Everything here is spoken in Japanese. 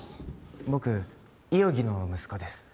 僕五百木の息子です